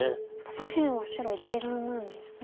左辺は白１眼なんですね。